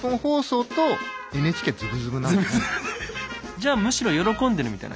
じゃあむしろ喜んでるみたいな。